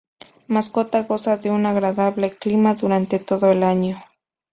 Mascota goza de un agradable clima durante todo el año.